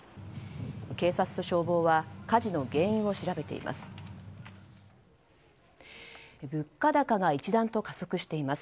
警察と消防は火事の原因を調べています。